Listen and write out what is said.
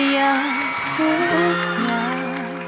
อยากทุกอย่าง